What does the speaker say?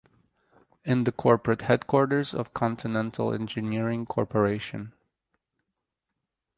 It is the corporate headquarters of Continental Engineering Corporation.